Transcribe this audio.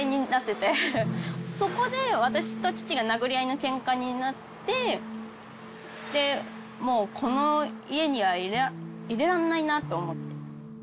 そこで私と父が殴り合いのケンカになってでもうこの家にはいれらんないなと思って。